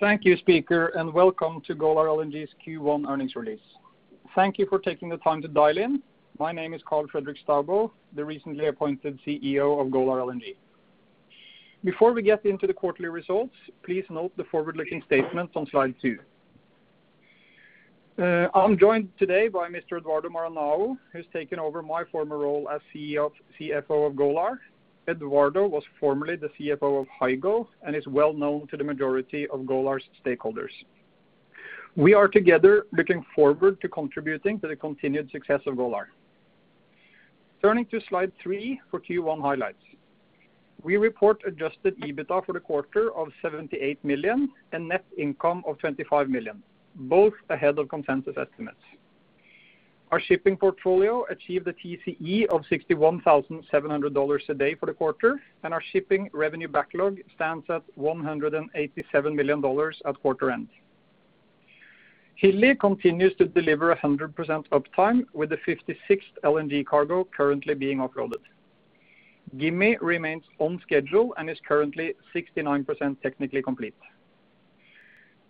Thank you, speaker, and welcome to Golar LNG's Q1 Earnings Release. Thank you for taking the time to dial in. My name is Karl Fredrik Staubo, the recently appointed CEO of Golar LNG. Before we get into the quarterly results, please note the forward-looking statements on slide two. I'm joined today by Mr. Eduardo Maranhao, who's taken over my former role as CFO of Golar. Eduardo was formerly the CFO of Hygo and is well known to the majority of Golar's stakeholders. We are together looking forward to contributing to the continued success of Golar. Turning to slide three for Q1 highlights. We report adjusted EBITDA for the quarter of $78 million and net income of $25 million, both ahead of consensus estimates. Our shipping portfolio achieved a TCE of $61,700 a day for the quarter, and our shipping revenue backlog stands at $187 million at quarter end. Hilli continues to deliver 100% uptime, with the 56th LNG cargo currently being offloaded. Gimi remains on schedule and is currently 69% technically complete.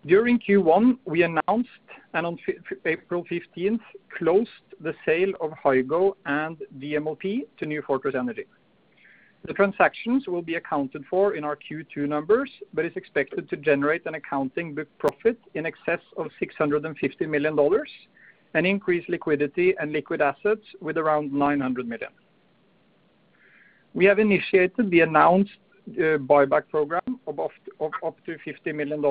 During Q1, we announced, and on April 15th, closed the sale of Hygo and the MLP to New Fortress Energy. The transactions will be accounted for in our Q2 numbers, but it's expected to generate an accounting book profit in excess of $650 million, and increase liquidity and liquid assets with around $900 million. We have initiated the announced buyback program of up to $50 million,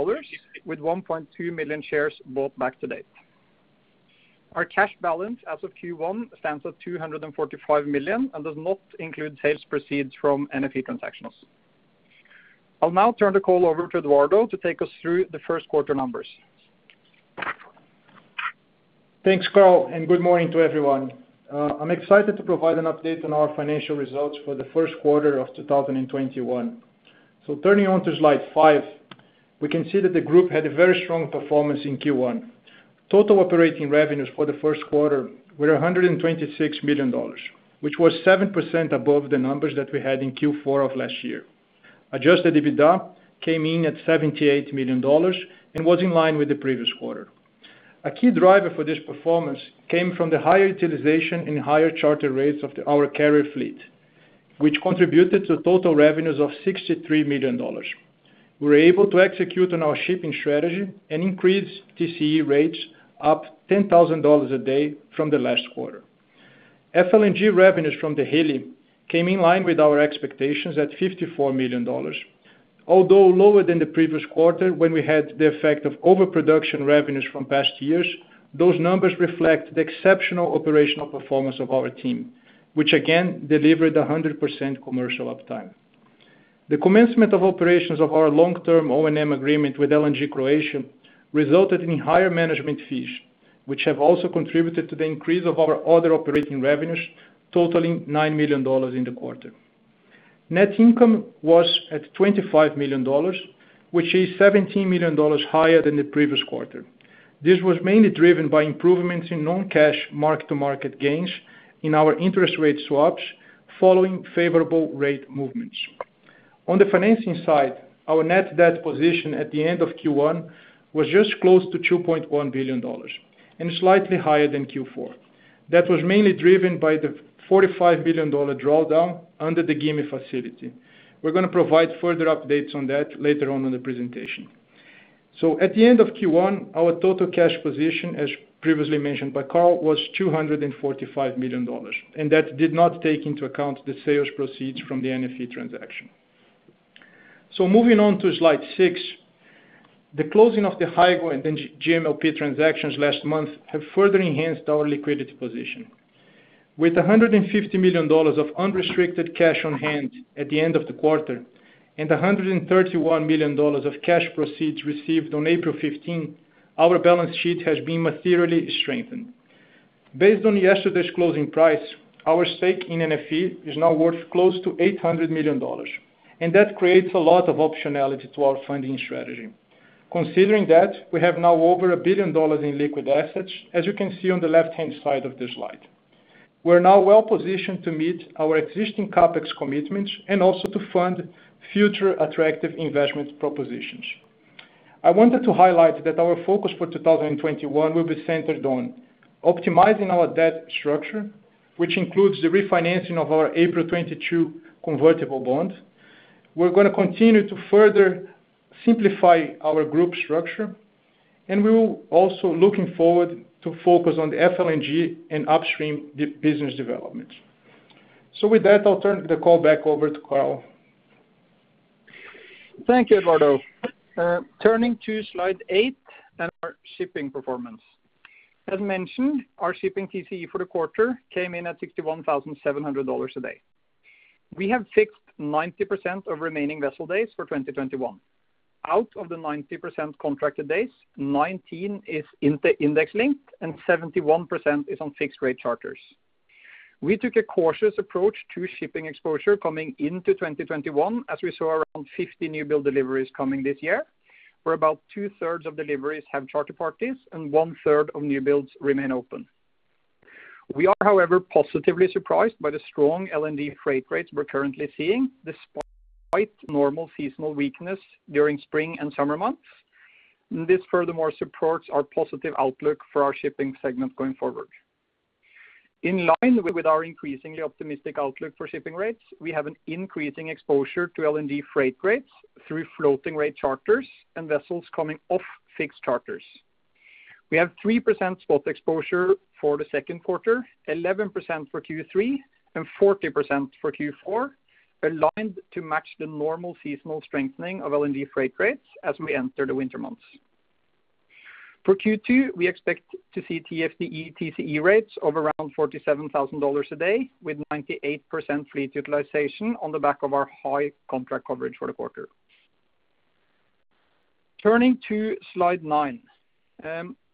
with 1.2 million shares bought back to date. Our cash balance as of Q1 stands at $245 million and does not include sales proceeds from NFE transactions. I'll now turn the call over to Eduardo to take us through the first quarter numbers. Thanks, Karl, good morning to everyone. I'm excited to provide an update on our financial results for the first quarter of 2021. Turning on to slide five, we can see that the group had a very strong performance in Q1. Total operating revenues for the first quarter were $126 million, which was 7% above the numbers that we had in Q4 of last year. Adjusted EBITDA came in at $78 million and was in line with the previous quarter. A key driver for this performance came from the higher utilization and higher charter rates of our carrier fleet, which contributed to total revenues of $63 million. We were able to execute on our shipping strategy and increase TCE rates up $10,000 a day from the last quarter. FLNG revenues from the Hilli came in line with our expectations at $54 million. Although lower than the previous quarter when we had the effect of overproduction revenues from past years, those numbers reflect the exceptional operational performance of our team, which again delivered 100% commercial uptime. The commencement of operations of our long-term O&M agreement with LNG Croatia resulted in higher management fees, which have also contributed to the increase of our other operating revenues totaling $9 million in the quarter. Net income was at $25 million, which is $17 million higher than the previous quarter. This was mainly driven by improvements in non-cash mark-to-market gains in our interest rate swaps following favorable rate movements. On the financing side, our net debt position at the end of Q1 was just close to $2.1 billion and slightly higher than Q4. That was mainly driven by the $45 billion drawdown under the Gimi facility. We're going to provide further updates on that later on in the presentation. At the end of Q1, our total cash position, as previously mentioned by Karl, was $245 million, and that did not take into account the sales proceeds from the NFE transaction. Moving on to slide six. The closing of the Hygo and GMLP transactions last month have further enhanced our liquidity position. With $150 million of unrestricted cash on hand at the end of the quarter and $131 million of cash proceeds received on April 15th, our balance sheet has been materially strengthened. Based on yesterday's closing price, our stake in NFE is now worth close to $800 million, and that creates a lot of optionality to our funding strategy. Considering that, we have now over $1 billion in liquid assets, as you can see on the left-hand side of the slide. We are now well-positioned to meet our existing CapEx commitments and also to fund future attractive investment propositions. I wanted to highlight that our focus for 2021 will be centered on optimizing our debt structure, which includes the refinancing of our April 2022 convertible bond. We're going to continue to further simplify our group structure, and we will also looking forward to focus on the FLNG and upstream business development. With that, I'll turn the call back over to Karl. Thank you, Eduardo. Turning to slide eight and our shipping performance. As mentioned, our shipping TCE for the quarter came in at $61,700 a day. We have fixed 90% of remaining vessel days for 2021. Out of the 90% contracted days, 19 is index-linked, and 71% is on fixed-rate charters. We took a cautious approach to shipping exposure coming into 2021, as we saw around 50 newbuild deliveries coming this year, where about two-thirds of deliveries have charter parties and one-third of newbuilds remain open. We are however positively surprised by the strong LNG freight rates we're currently seeing despite normal seasonal weakness during spring and summer months. This furthermore supports our positive outlook for our shipping segment going forward. In line with our increasingly optimistic outlook for shipping rates, we have an increasing exposure to LNG freight rates through floating rate charters and vessels coming off fixed charters. We have 3% spot exposure for the second quarter, 11% for Q3, and 40% for Q4, aligned to match the normal seasonal strengthening of LNG freight rates as we enter the winter months. For Q2, we expect to see TFDE TCE rates of around $47,000 a day with 98% fleet utilization on the back of our high contract coverage rate quarter. Turning to slide nine.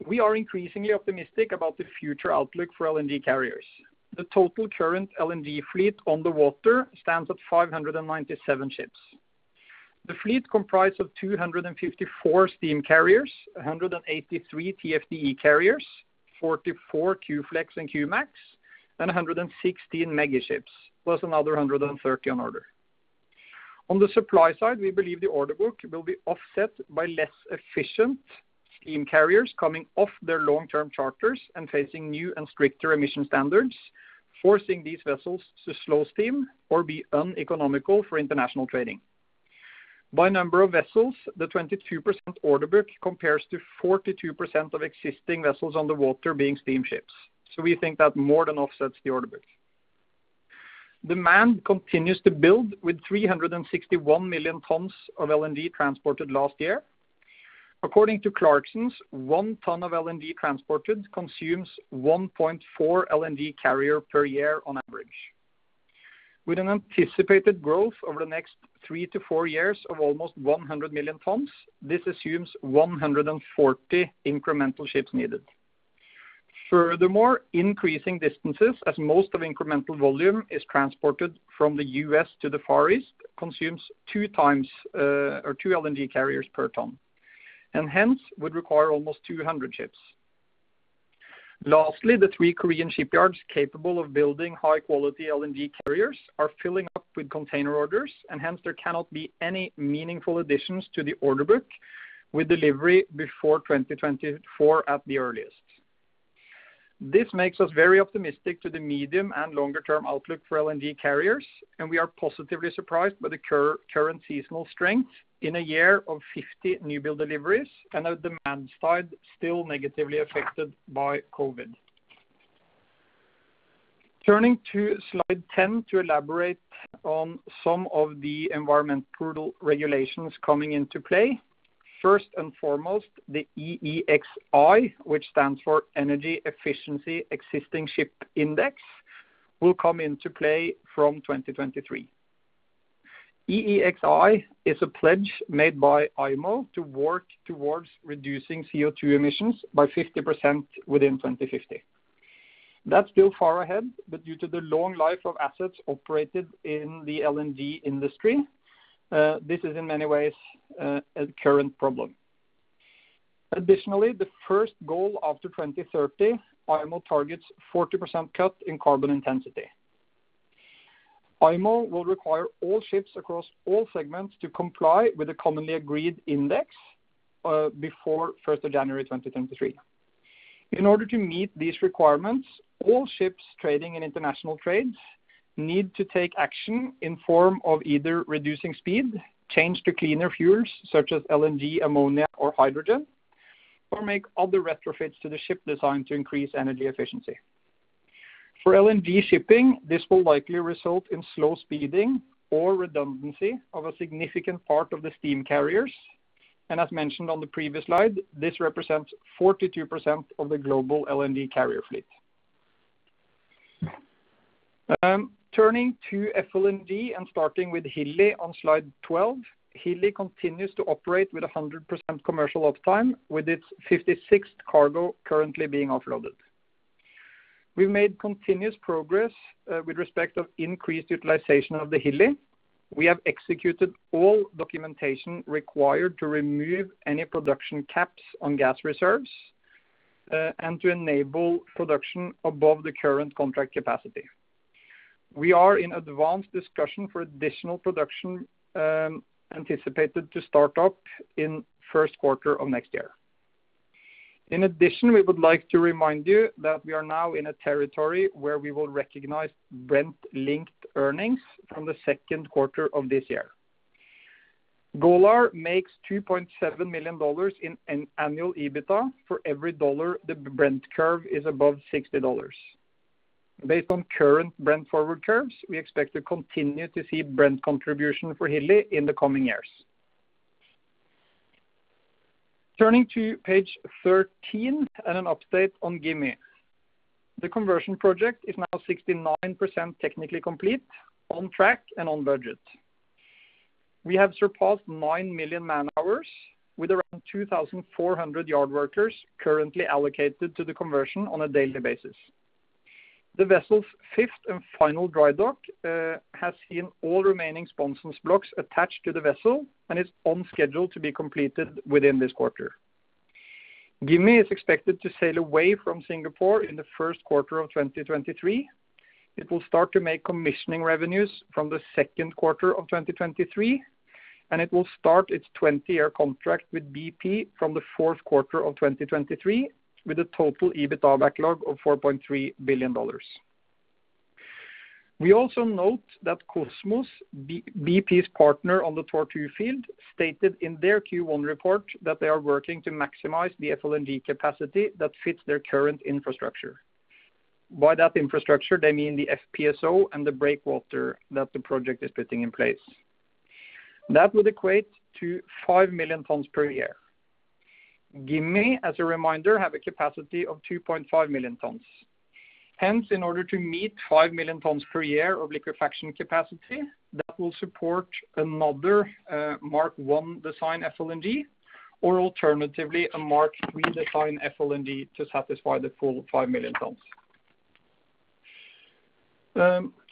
We are increasingly optimistic about the future outlook for LNG carriers. The total current LNG fleet on the water stands at 597 ships. The fleet comprise of 254 steam carriers, 183 TFDE carriers, 44 Q-Flex and Q-Max, and 116 mega ships, plus another 130 on order. On the supply side, we believe the order book will be offset by less efficient steam carriers coming off their long-term charters and facing new and stricter emission standards, forcing these vessels to slow steam or be uneconomical for international trading. By number of vessels, the 22% order book compares to 42% of existing vessels on the water being steamships. We think that more than offsets the order book. Demand continues to build with 361 million tons of LNG transported last year. According to Clarksons, one ton of LNG transported consumes 1.4 LNG carrier per year on average. With an anticipated growth over the next three to four years of almost 100 million tons, this assumes 140 incremental ships needed. Furthermore, increasing distances as most of incremental volume is transported from the U.S. to the Far East consumes two LNG carriers per ton, and hence would require almost 200 ships. Lastly, the three Korean shipyards capable of building high-quality LNG carriers are filling up with container orders, and hence there cannot be any meaningful additions to the order book with delivery before 2024 at the earliest. This makes us very optimistic to the medium and longer-term outlook for LNG carriers, and we are positively surprised by the current seasonal strength in a year of 50 new build deliveries and a demand side still negatively affected by COVID. Turning to slide 10 to elaborate on some of the environmental regulations coming into play. First and foremost, the EEXI, which stands for Energy Efficiency Existing Ship Index, will come into play from 2023. EEXI is a pledge made by IMO to work towards reducing CO2 emissions by 50% within 2050. That's still far ahead, but due to the long life of assets operated in the LNG industry, this is in many ways a current problem. Additionally, the first goal after 2030, IMO targets 40% cut in carbon intensity. IMO will require all ships across all segments to comply with a commonly agreed index before 1st of January 2023. In order to meet these requirements, all ships trading in international trades need to take action in form of either reducing speed, change to cleaner fuels such as LNG, ammonia or hydrogen, or make other retrofits to the ship designed to increase energy efficiency. For LNG shipping, this will likely result in slow speeding or redundancy of a significant part of the steam carriers. As mentioned on the previous slide, this represents 42% of the global LNG carrier fleet. Turning to FLNG and starting with Hilli on slide 12. Hilli continues to operate with 100% commercial uptime with its 56th cargo currently being offloaded. We made continuous progress with respect of increased utilization of the Hilli. We have executed all documentation required to remove any production caps on gas reserves and to enable production above the current contract capacity. We are in advanced discussion for additional production anticipated to start up in first quarter of next year. In addition, we would like to remind you that we are now in a territory where we will recognize Brent linked earnings from the second quarter of this year. Golar makes $2.7 million in annual EBITDA for every dollar the Brent curve is above $60. Based on current Brent forward curves, we expect to continue to see Brent contribution for Hilli in the coming years. Turning to page 13 and an update on Gimi. The conversion project is now 69% technically complete, on track, and on budget. We have surpassed 9 million man-hours with around 2,400 yard workers currently allocated to the conversion on a daily basis. The vessel's fifth and final dry dock has seen all remaining sponson blocks attached to the vessel and is on schedule to be completed within this quarter. Gimi is expected to sail away from Singapore in the first quarter of 2023. It will start to make commissioning revenues from the second quarter of 2023, and it will start its 20-year contract with BP from the fourth quarter of 2023 with a total EBITDA backlog of $4.3 billion. We also note that Kosmos, BP's partner on the Tortue field, stated in their Q1 report that they are working to maximize the FLNG capacity that fits their current infrastructure. By that infrastructure, they mean the FPSO and the breakwater that the project is putting in place. That would equate to 5 million tons per year. Gimi, as a reminder, has a capacity of 2.5 million tons. In order to meet 5 million tons per year of liquefaction capacity, that will support another Mark I design FLNG, or alternatively, a Mark III design FLNG to satisfy the full 5 million tons.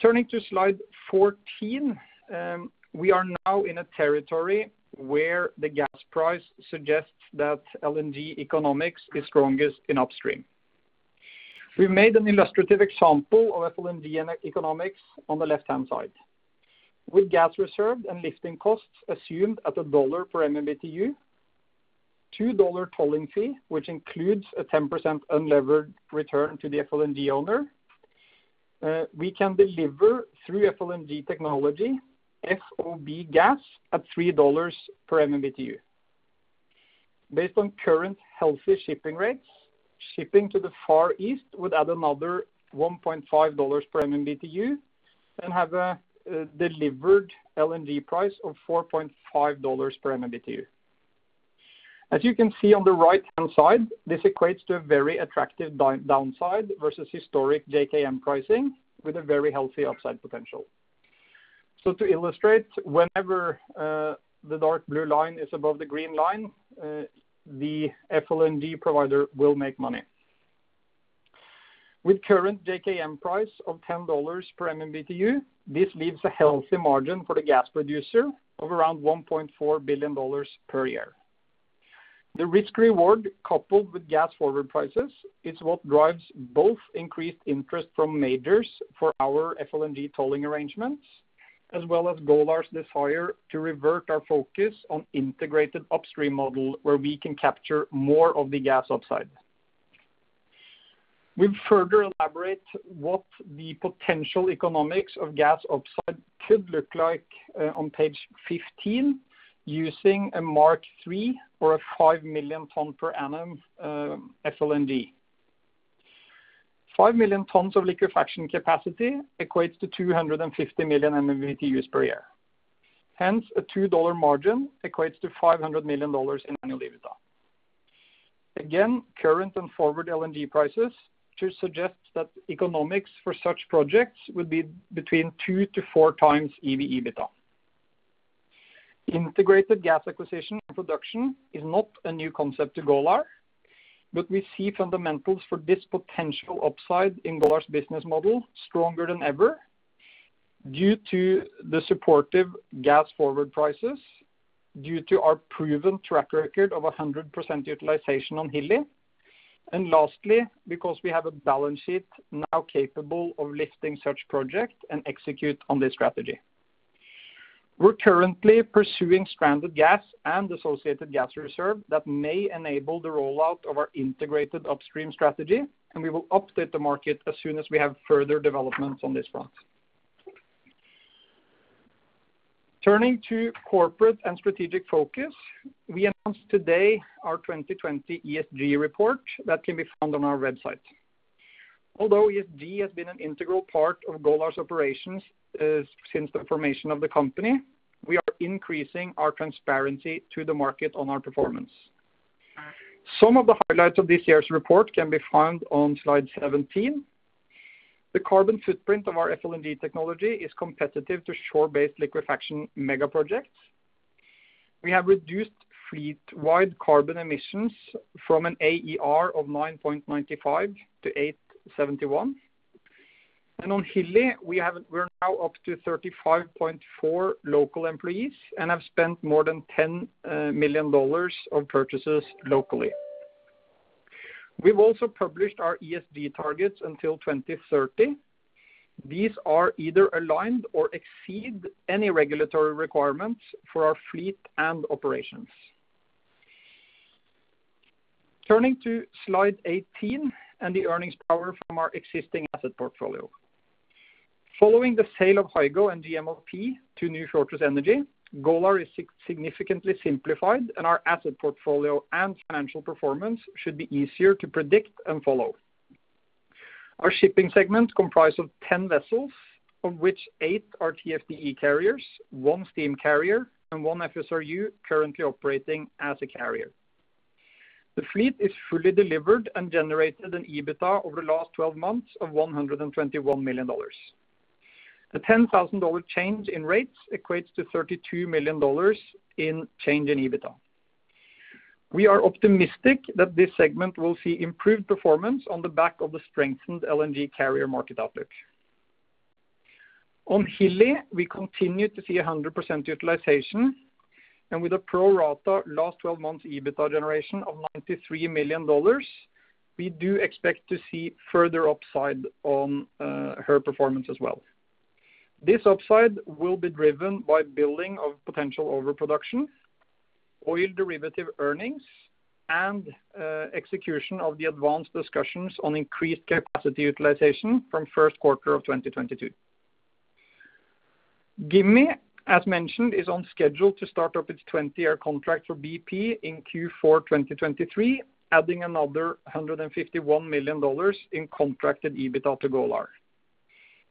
Turning to slide 14, we are now in a territory where the gas price suggests that LNG economics is strongest in upstream. We made an illustrative example of FLNG economics on the left-hand side. With gas reserved and lifting costs assumed at $1 per MMBtu, $2 tolling fee, which includes a 10% unlevered return to the FLNG owner, we can deliver through FLNG technology, FOB gas at $3 per MMBtu. Based on current healthy shipping rates, shipping to the Far East would add another $1.50 per MMBtu and have a delivered LNG price of $4.50 per MMBtu. As you can see on the right-hand side, this equates to a very attractive downside versus historic JKM pricing with a very healthy upside potential. To illustrate, whenever the dark blue line is above the green line, the FLNG provider will make money. With current JKM price of $10 per MMBtu, this leaves a healthy margin for the gas producer of around $1.4 billion per year. The risk reward coupled with gas forward prices is what drives both increased interest from majors for our FLNG tolling arrangements, as well as Golar's desire to revert our focus on integrated upstream model where we can capture more of the gas upside. We'll further elaborate what the potential economics of gas upside could look like on page 15 using a Mark III or a 5 million ton per annum FLNG. 5 million tons of liquefaction capacity equates to 250 million MMBtus per year. Hence, a $2 margin equates to $500 million in annual EBITDA. Again, current and forward LNG prices should suggest that economics for such projects would be between 2x-4x EBITDA. Integrated gas acquisition production is not a new concept to Golar, but we see fundamentals for this potential upside in Golar's business model stronger than ever due to the supportive gas forward prices, due to our proven track record of 100% utilization on Hilli, and lastly, because we have a balance sheet now capable of lifting such project and execute on this strategy. We're currently pursuing stranded gas and associated gas reserve that may enable the rollout of our integrated upstream strategy. We will update the market as soon as we have further developments on this one. Turning to corporate and strategic focus, we announced today our 2020 ESG report that can be found on our website. Although ESG has been an integral part of Golar's operations since the formation of the company, we are increasing our transparency to the market on our performance. Some of the highlights of this year's report can be found on slide 17. The carbon footprint of our FLNG technology is competitive to shore-based liquefaction mega projects. We have reduced fleet-wide carbon emissions from an AER of 9.95 to 871. On Hilli, we're now up to 35.4 local employees and have spent more than $10 million of purchases locally. We've also published our ESG targets until 2030. These are either aligned with or exceed any regulatory requirements for our fleet and operations. Turning to slide 18 and the earnings power from our existing asset portfolio. Following the sale of Hygo and the MLP to New Fortress Energy, Golar is significantly simplified, and our asset portfolio and financial performance should be easier to predict and follow. Our shipping segment comprise of 10 vessels, of which eight are TFDE carriers, one steam carrier, and one FSRU currently operating as a carrier. The fleet is fully delivered and generated an EBITDA over the last 12 months of $121 million. The $10,000 change in rates equates to $32 million in change in EBITDA. We are optimistic that this segment will see improved performance on the back of the strengthened LNG carrier market outlook. On Hilli, we continue to see 100% utilization and with a pro rata last 12 months EBITDA generation of $93 million, we do expect to see further upside on her performance as well. This upside will be driven by billing of potential overproduction, oil derivative earnings, and execution of the advanced discussions on increased capacity utilization from first quarter of 2022. Gimi, as mentioned, is on schedule to start up its 20-year contract for BP in Q4 2023, adding another $151 million in contracted EBITDA to Golar.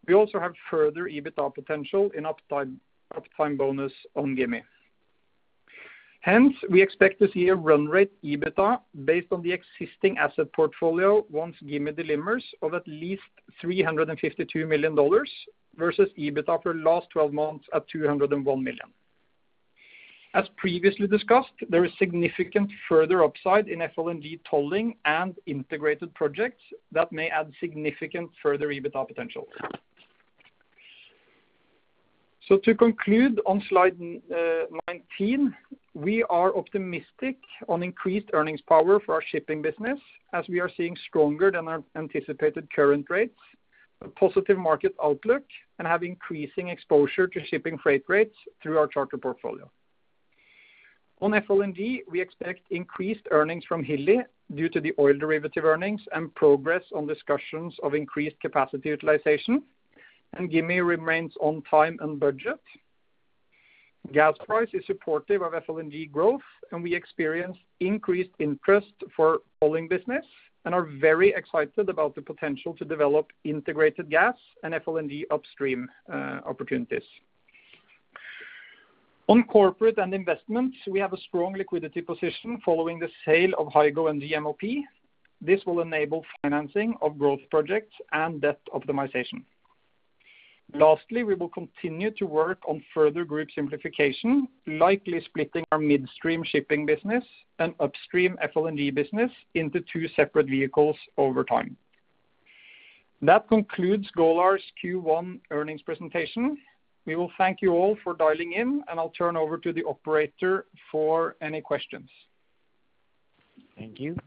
We also have further EBITDA potential in uptime bonus on Gimi. Hence, we expect to see a run rate EBITDA based on the existing asset portfolio once Gimi delivers of at least $352 million versus EBITDA for last 12 months at $201 million. As previously discussed, there is significant further upside in FLNG tolling and integrated projects that may add significant further EBITDA potential. To conclude on slide 19, we are optimistic on increased earnings power for our shipping business as we are seeing stronger than anticipated current rates, a positive market outlook, and have increasing exposure to shipping freight rates through our charter portfolio. On FLNG, we expect increased earnings from Hilli due to the oil derivative earnings and progress on discussions of increased capacity utilization. Gimi remains on time and budget. Gas price is supportive of FLNG growth. We experience increased interest for tolling business and are very excited about the potential to develop integrated gas and FLNG upstream opportunities. On corporate and investments, we have a strong liquidity position following the sale of Hygo and GMLP. This will enable financing of growth projects and debt optimization. Lastly, we will continue to work on further group simplification, likely splitting our midstream shipping business and upstream FLNG business into two separate vehicles over time. That concludes Golar's Q1 earnings presentation. We will thank you all for dialing in. I'll turn over to the operator for any questions. Thank you.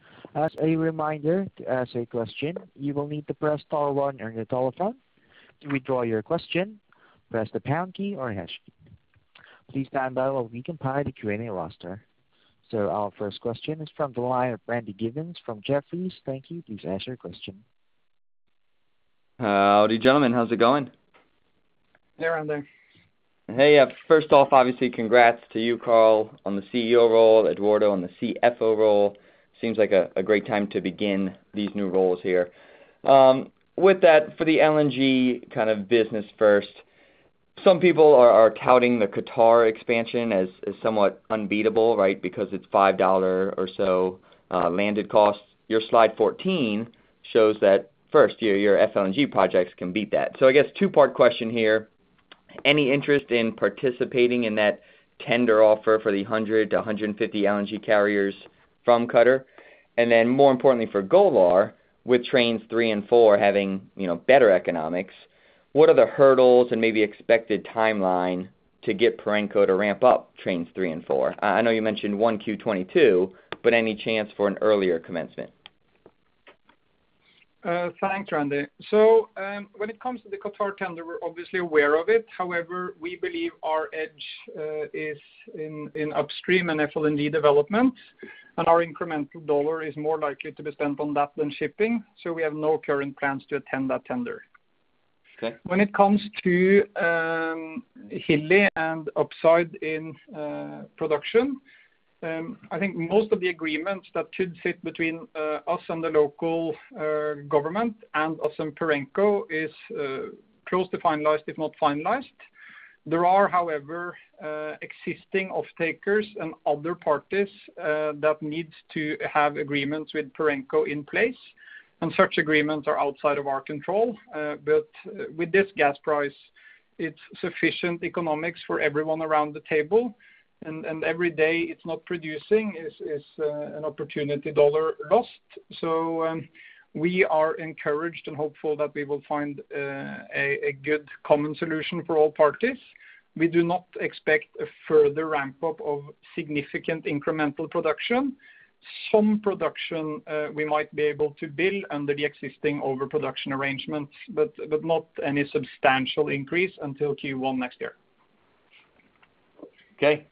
Our first question is from the line of Randy Giveans from Jefferies. Thank you. Howdy, gentlemen. How's it going? Hey, Randy. Hey. First off, obviously congrats to you, Karl, on the CEO role, Eduardo on the CFO role. Seems like a great time to begin these new roles here. With that, for the LNG business first, some people are touting the Qatar expansion as somewhat unbeatable, because it's $5 or so landed cost. Your slide 14 shows that first year your FLNG projects can beat that. I guess two-part question here, any interest in participating in that tender offer for the 100-150 LNG carriers from Qatar? More importantly for Golar, with trains three and four having better economics, what are the hurdles and maybe expected timeline to get Perenco to ramp up trains three and four? I know you mentioned 1Q22, but any chance for an earlier commencement? Thanks, Randy. When it comes to the Qatar tender, we're obviously aware of it. However, we believe our edge is in upstream and FLNG development, and our incremental dollar is more likely to be spent on that than shipping. We have no current plans to attend that tender. Okay. When it comes to Hilli and upside in production, I think most of the agreements that should sit between us and the local government and us and Perenco is close to finalized, if not finalized. There are, however, existing off-takers and other parties that need to have agreements with Perenco in place. Such agreements are outside of our control. With this gas price, it's sufficient economics for everyone around the table. Every day it's not producing is an opportunity dollar lost. We are encouraged and hopeful that we will find a good common solution for all parties. We do not expect a further ramp-up of significant incremental production. Some production we might be able to bill under the existing overproduction arrangements. Not any substantial increase until Q1 next year. Okay.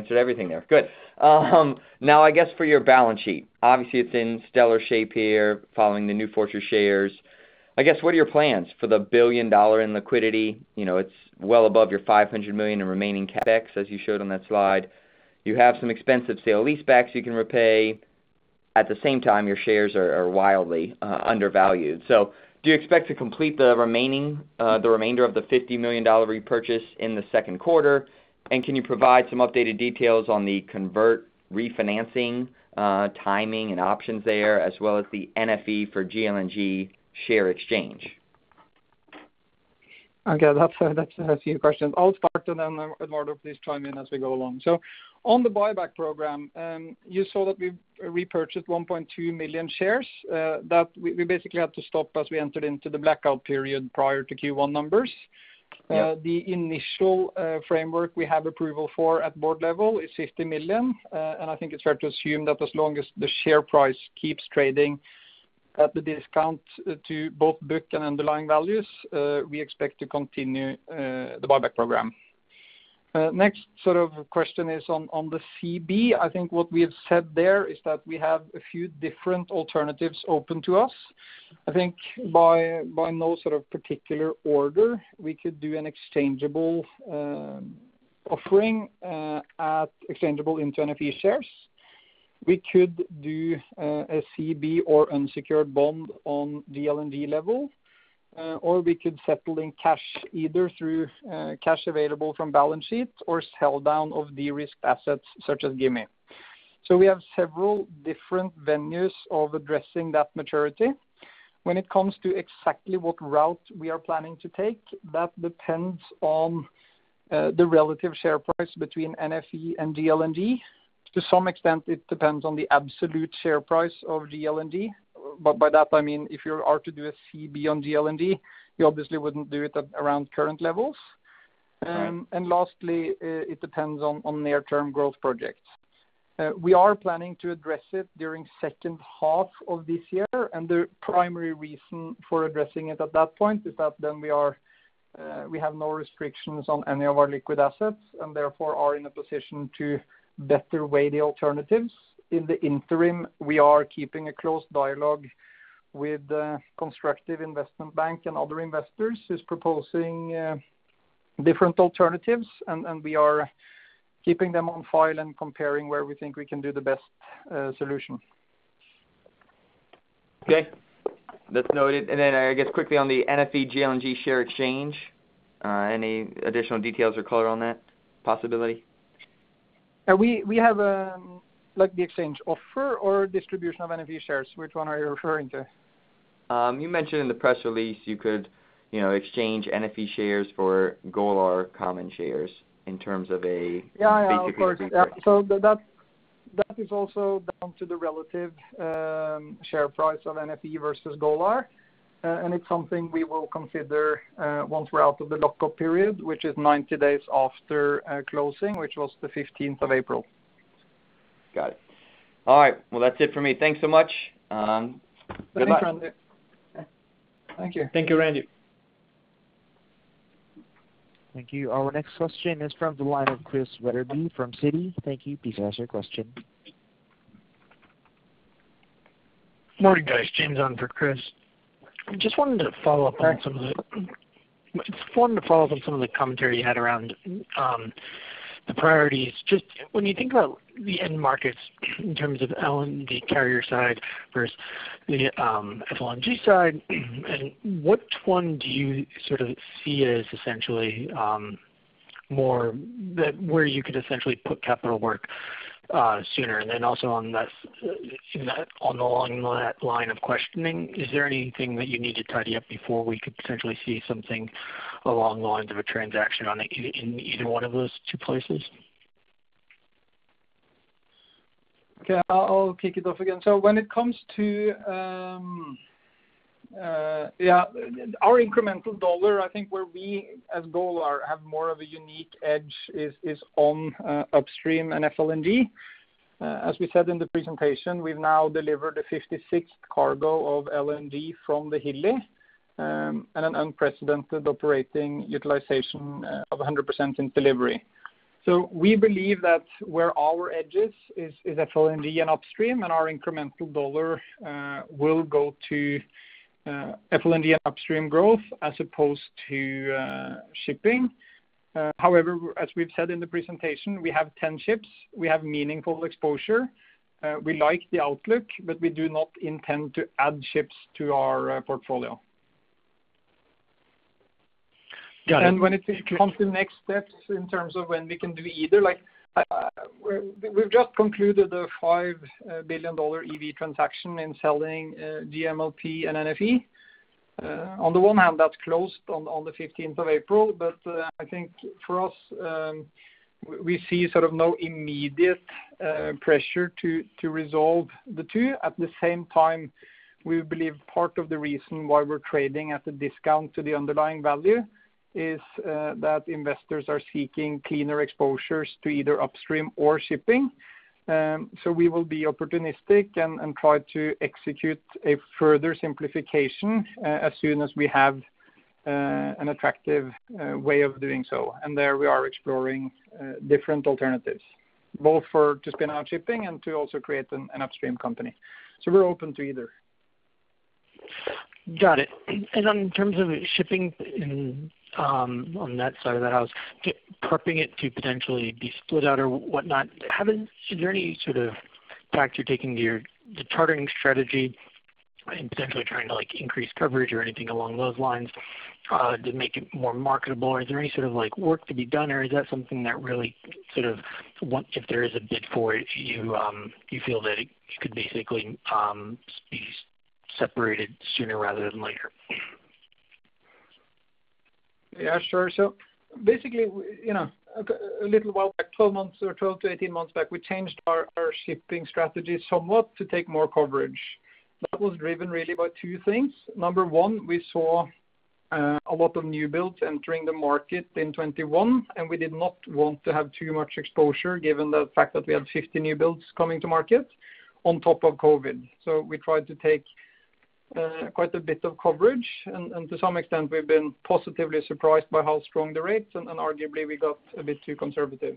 Answered everything there. Good. I guess for your balance sheet, obviously it's in stellar shape here following the New Fortress shares. I guess what are your plans for the $1 billion in liquidity? It's well above your $500 million in remaining CapEx, as you showed on that slide. You have some expensive CLOs you can repay. At the same time, your shares are wildly undervalued. Do you expect to complete the remainder of the $50 million repurchase in the second quarter? Can you provide some updated details on the convert refinancing timing and options there, as well as the NFE for GLNG share exchange? Okay. That's a few questions. I'll start and Eduardo, please chime in as we go along. On the buyback program, you saw that we repurchased 1.2 million shares. That we basically had to stop as we entered into the blackout period prior to Q1 numbers. The initial framework we have approval for at board level is $50 million. I think it's fair to assume that as long as the share price keeps trading at a discount to both book and underlying values, we expect to continue the buyback program. Next question is on the CB. I think what we have said there is that we have a few different alternatives open to us. I think by no particular order, we could do an exchangeable offering exchangeable into NFE shares. We could do a CB or unsecured bond on the GLNG level, or we could settle in cash, either through cash available from balance sheet or sell down of de-risk assets such as Gimi. We have several different venues of addressing that maturity. When it comes to exactly what route we are planning to take, that depends on the relative share price between NFE and GLNG. To some extent, it depends on the absolute share price of GLNG. By that I mean, if you are to do a CB on GLNG, you obviously wouldn't do it at around current levels. Right. Lastly, it depends on near-term growth projects. We are planning to address it during second half of this year, and the primary reason for addressing it at that point is that then we have no restrictions on any of our liquid assets and therefore are in a position to better weigh the alternatives. In the interim, we are keeping a close dialogue with Constructive Investment Bank and other investors who's proposing different alternatives, and we are keeping them on file and comparing where we think we can do the best solution. Okay. That's noted. I guess quickly on the NFE GLNG share exchange, any additional details or color on that possibility? We have the exchange offer or distribution of NFE shares. Which one are you referring to? You mentioned in the press release you could exchange NFE shares for Golar common shares. Yeah, of course. That is also down to the relative share price on NFE versus Golar. It's something we will consider once we're out of the lock-up period, which is 90 days after closing, which was the 15th of April. Got it. All right, well, that's it for me. Thanks so much, and bye-bye. No problem. Thank you. Thank you, Randy. Thank you. Our next question is from the line of Chris Wetherbee from Citi. Thank you. Please ask your question. Morning, guys. James on for Chris. Just wanted to follow up on some of the commentary you had around the priorities, just when you think about the end markets in terms of the carrier side versus the FLNG side, and which one do you see as essentially more that where you could essentially put capital work sooner? Also along that line of questioning, is there anything that you need to tidy up before we could potentially see something along the lines of a transaction on it in either one of those two places? Okay. I'll kick it off again. When it comes to our incremental dollar, I think where we as Golar have more of a unique edge is on upstream and FLNG. As we said in the presentation, we now delivered a 56th cargo of LNG from the Hilli and an unprecedented operating utilization of 100% in delivery. We believe that where our edge is FLNG and upstream, and our incremental dollar will go to FLNG upstream growth as opposed to shipping. However, as we've said in the presentation, we have 10 ships. We have meaningful exposure. We like the outlook, but we do not intend to add ships to our portfolio. Got it. When it comes to next steps in terms of when we can do either, we've just concluded a $5 billion EV transaction in selling the MLP and NFE. On the one hand, that closed on the 15th of April. I think for us, we see no immediate pressure to resolve the two. At the same time, we believe part of the reason why we're trading at a discount to the underlying value is that investors are seeking cleaner exposures to either upstream or shipping. We will be opportunistic and try to execute a further simplification as soon as we have an attractive way of doing so. There we are exploring different alternatives, both for just shipping and to also create an upstream company. We're open to either. Got it. In terms of shipping on that side of the house, prepping it to potentially be split out or whatnot, is there any factor you're taking to your targeting strategy and potentially trying to increase coverage or anything along those lines to make it more marketable? Is there any work to be done, or is that something that really, if there is a bid for it, you feel that it could basically be separated sooner rather than later? A little while back, 12 months or 12-18 months back, we changed our shipping strategy somewhat to take more coverage. That was driven really by two things. Number one, we saw a lot of new builds entering the market in 2021, we did not want to have too much exposure given the fact that we have 50 new builds coming to market on top of COVID. We tried to take quite a bit of coverage, and to some extent, we've been positively surprised by how strong the rates and arguably we got a bit too conservative.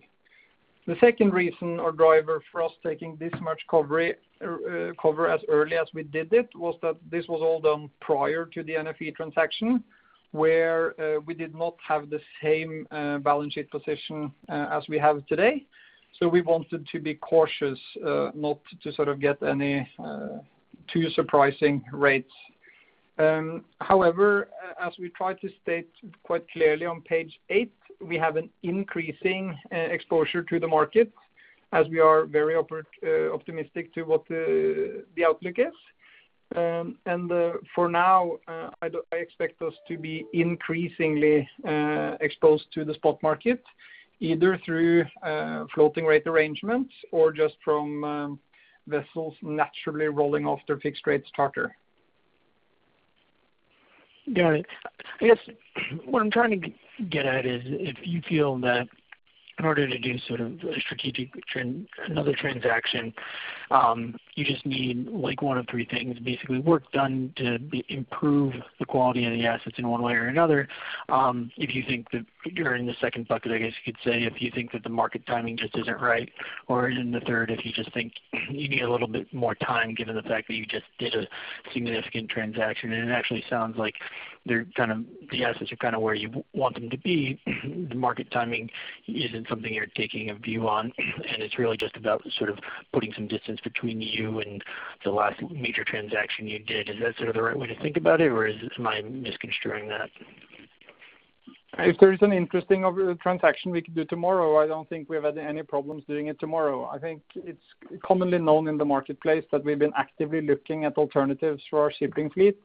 The second reason or driver for us taking this much cover as early as we did it was that this was all done prior to the NFE transaction, where we did not have the same balance sheet position as we have today. We wanted to be cautious not to get any too surprising rates. However, as we try to state quite clearly on page eight, we have an increasing exposure to the market as we are very optimistic to what the outlook is. For now, I expect us to be increasingly exposed to the spot market, either through floating rate arrangements or just from vessels naturally rolling off their fixed rates charter. Got it. I guess what I am trying to get at is if you feel that in order to do a strategic, another transaction, you just need one of three things. Basically, work done to improve the quality of the assets in one way or another. If you think that you are in the second bucket, I guess you could say if you think that the market timing just isn't right, or in the third, if you just think you need a little bit more time given the fact that you just did a significant transaction, and it actually sounds like the assets are where you want them to be, the market timing isn't something you are taking a view on, and it is really just about putting some distance between you and the last major transaction you did. Is that the right way to think about it, or am I misconstruing that? If there's an interesting transaction we could do tomorrow, I don't think we've had any problems doing it tomorrow. I think it's commonly known in the marketplace that we've been actively looking at alternatives to our shipping fleet,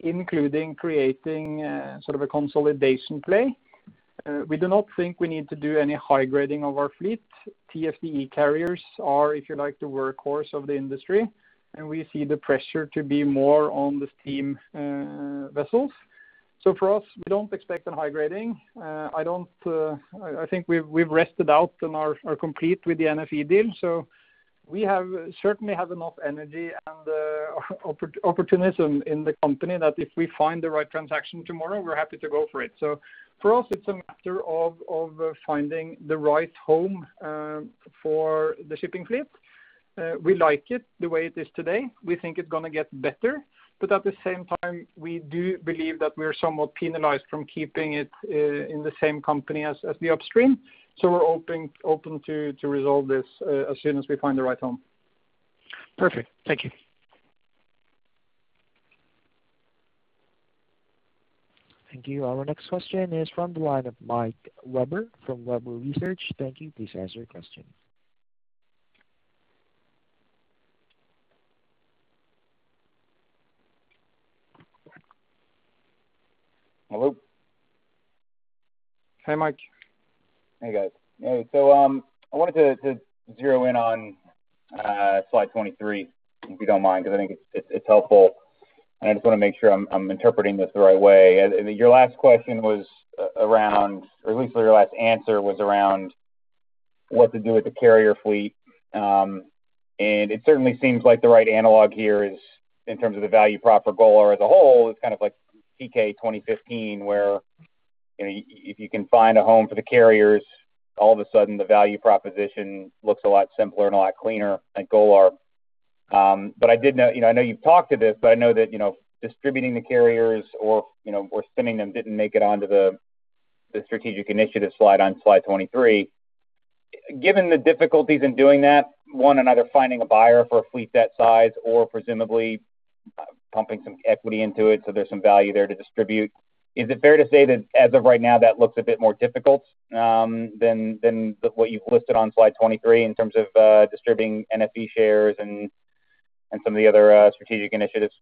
including creating a consolidation play. We do not think we need to do any high grading of our fleet. TFDE carriers are, if you like, the workhorse of the industry, and we see the pressure to be more on the steam vessels. For us, we don't expect a high grading. I think we've rested out and are complete with the NFE deal. We certainly have enough energy and the opportunism in the company that if we find the right transaction tomorrow, we're happy to go for it. For us, it's a matter of finding the right home for the shipping fleet. We like it the way it is today. We think it's going to get better. At the same time, we do believe that we are somewhat penalized from keeping it in the same company as the upstream. We're open to resolve this as soon as we find the right home. Perfect. Thank you. Thank you. Our next question is from the line of Mike Webber from Webber Research. Thank you. Please ask your question. Hello. Hi, Mike. Hey, guys. I want to zero in on slide 23, if you don't mind, because I think it's helpful, and I just want to make sure I'm interpreting this the right way. Your last question was around, or at least your last answer was around what to do with the carrier fleet. It certainly seems like the right analog here is in terms of the value prop for Golar as a whole is kind of like Teekay 2015, where if you can find a home for the carriers, all of a sudden the value proposition looks a lot simpler and a lot cleaner at Golar. I know you've talked to this, but I know that distributing the carriers or spinning them didn't make it onto the strategic initiatives slide on slide 23. Given the difficulties in doing that, one another, finding a buyer for a fleet that size or presumably pumping some equity into it so there's some value there to distribute, is it fair to say that as of right now, that looks a bit more difficult than what you've listed on slide 23 in terms of distributing NFE shares and some of the other strategic initiatives?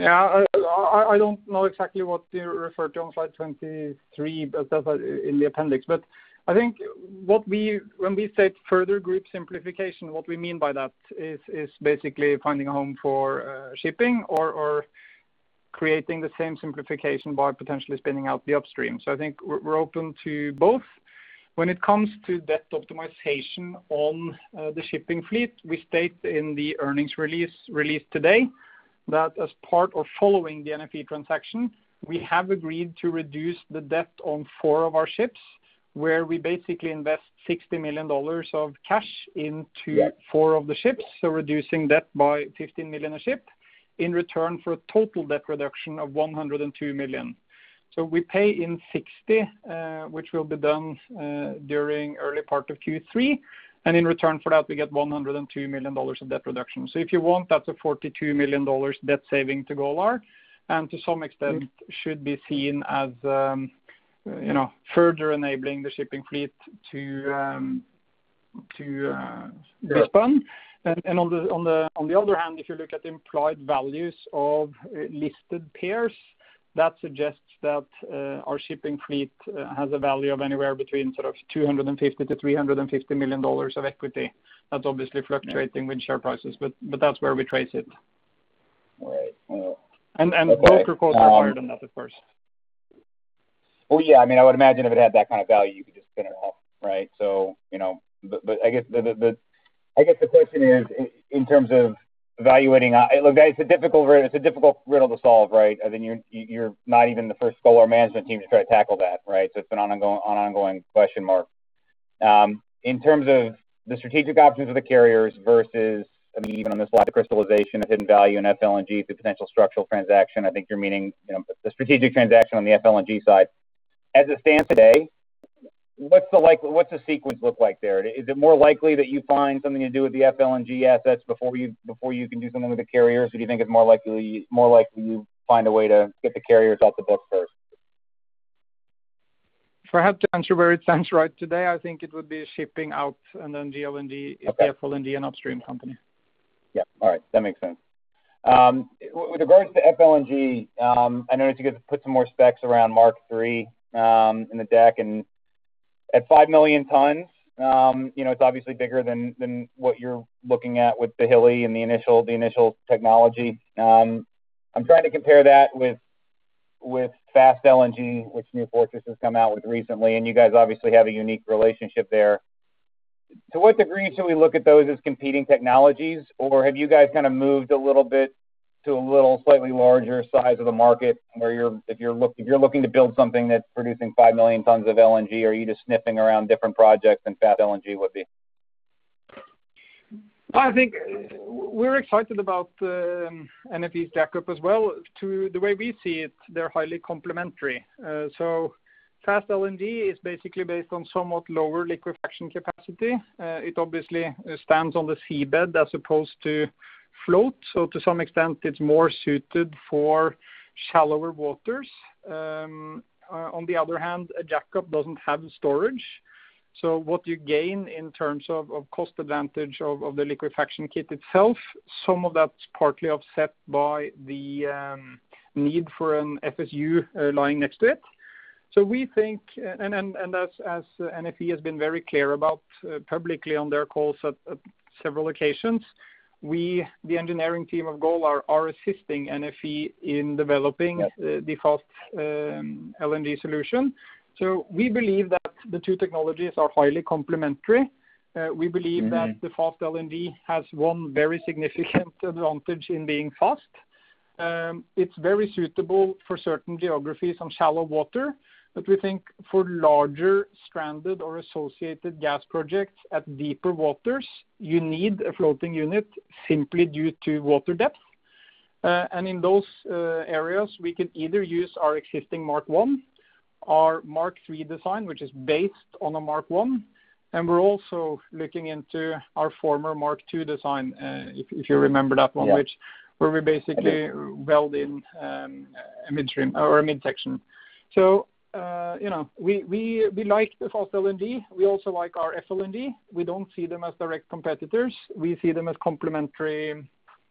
I don't know exactly what you refer to on slide 23 in the appendix, I think when we said further group simplification, what we mean by that is basically finding a home for shipping or creating the same simplification by potentially spinning out the upstream. I think we're open to both. When it comes to debt optimization on the shipping fleet, we state in the earnings release today that as part of following the NFE transaction, we have agreed to reduce the debt on four of our ships, where we basically invest $60 million of cash into four of the ships. Reducing debt by $15 million a ship in return for a total debt reduction of $102 million. We pay in $60 million, which will be done during early part of Q3, and in return for that, we get $102 million of debt reduction. If you want, that's a $42 million debt saving to Golar, to some extent should be seen as further enabling the shipping fleet to respond. On the other hand, if you look at the implied values of listed peers, that suggests that our shipping fleet has a value of anywhere between sort of $250 million-$350 million of equity. That's obviously fluctuating with share prices, that's where we trade it. Right. Book or quote is higher than that, of course. Well, yeah, I would imagine if it had that kind of value, you could spin it off, right? I guess the question is in terms of evaluating, look, it's a difficult riddle to solve, right? You're not even the first Golar management team to try to tackle that, right? It's an ongoing question mark. In terms of the strategic options of the carriers versus, even on the slide, crystallization of hidden value in FLNG is a potential structural transaction. I think you're meaning the strategic transaction on the FLNG side. As it stands today, what's the sequence look like there? Is it more likely that you find something to do with the FLNG assets before you can do something with the carriers? Do you think it more likely you find a way to get the carriers off the books first? Perhaps to answer where it stands right today, I think it would be shipping out FLNG LNG if FLNG an upstream company. Yep. All right. That makes sense. With regards to FLNG, I know that you guys put some more specs around Mark III in the deck. At 5 million tons, it's obviously bigger than what you're looking at with Hilli and the initial technology. I'm trying to compare that with Fast LNG, which New Fortress has come out with recently. You guys obviously have a unique relationship there. To what degree should we look at those as competing technologies? Have you guys kind of moved a little bit to a slightly larger size of the market, where if you're looking to build something that's producing 5 million tons of LNG, are you just sniffing around different projects than Fast LNG would be? I think we're excited about NFE jack-up as well. To the way we see it, they're highly complementary. Fast LNG is basically based on somewhat lower liquefaction capacity. It obviously stands on the seabed as opposed to float. To some extent, it's more suited for shallower waters. On the other hand, a jack-up doesn't have storage. What you gain in terms of cost advantage of the liquefaction kit itself, some of that's partly offset by the need for an FSU lying next to it. We think, and as NFE has been very clear about publicly on their calls at several occasions, we, the engineering team of Golar, are assisting NFE in developing the Fast LNG solution. We believe that the two technologies are highly complementary. We believe that the Fast LNG has one very significant advantage in being fast. It's very suitable for certain geographies on shallow water. We think for larger stranded or associated gas projects at deeper waters, you need a floating unit simply due to water depth. In those areas, we could either use our existing Mark I, our Mark III design, which is based on a Mark I, and we're also looking into our former Mark II design, if you remember that one. Yeah which where we basically weld in a midstream or a midsection. We like the Fast LNG. We also like our FLNG. We don't see them as direct competitors. We see them as complementary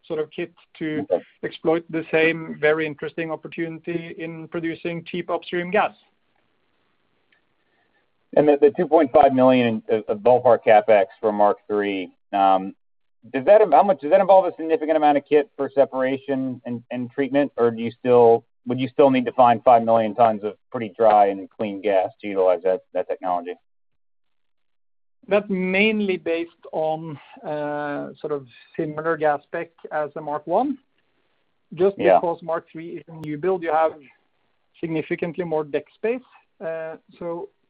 sort of kits to exploit the same very interesting opportunity in producing cheap upstream gas. The $2.5 million is a ballpark CapEx for Mark III. Does that involve a significant amount of kit for separation and treatment? Would you still need to find 5 million tons of pretty dry and clean gas to utilize that technology? That's mainly based on sort of similar gas spec as a Mark I. Yeah. Just because Mark III, when you build, you have significantly more deck space.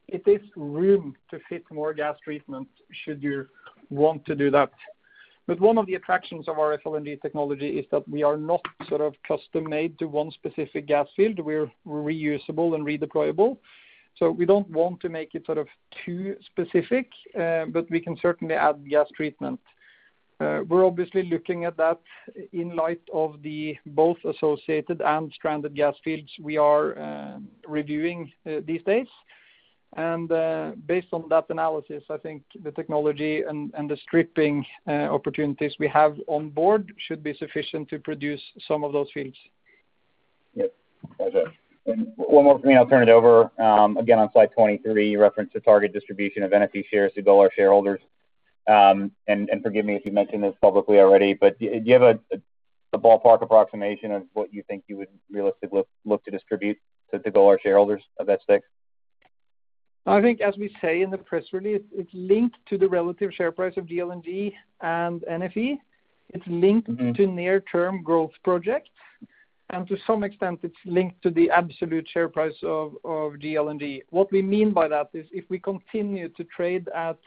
It is room to fit more gas treatment should you want to do that. One of the attractions of our FLNG technology is that we are not sort of custom-made to one specific gas field. We are reusable and redeployable. We don't want to make it sort of too specific. We can certainly add gas treatment. We're obviously looking at that in light of the both associated and stranded gas fields we are reviewing these days. Based on that analysis, I think the technology and the stripping opportunities we have on board should be sufficient to produce some of those fields. Yep. Okay. One more thing, I'll turn it over. Again, on slide 23, reference to target distribution of NFE shares to Golar shareholders. Forgive me if you mentioned this publicly already, do you have a ballpark approximation of what you think you would realistically look to distribute to Golar shareholders at this stage? I think as we say in the press release, it's linked to the relative share price of GLNG and NFE. It's linked to near-term growth projects. To some extent, it's linked to the absolute share price of GLNG. What we mean by that is if we continue to trade at